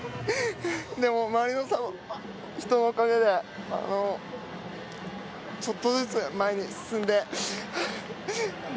でも、周りの人のおかげでちょっとずつ前に進んで。